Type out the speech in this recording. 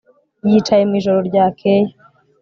Yicaye mu ijoro ryakeye